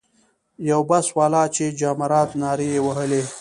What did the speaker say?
یو بس والا چې جمارات نارې یې وهلې.